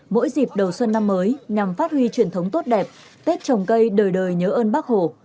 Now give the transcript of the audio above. mỗi dịp đầu xuân năm mới nhằm phát huy truyền thống tốt đẹp tết trồng cây đời đời nhớ ơn bác hồ